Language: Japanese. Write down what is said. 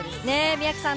三宅さん